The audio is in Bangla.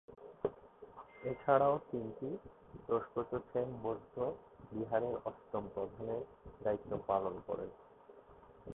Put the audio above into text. এছাড়াও তিনি র্দ্জোগ্স-ছেন বৌদ্ধবিহারের অষ্টম প্রধানের দায়িত্ব পালন করেন।